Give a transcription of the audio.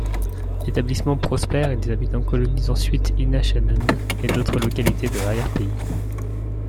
L'établissement prospère et des habitants colonisent ensuite Innishannon et d'autres localités de l'arrière-pays.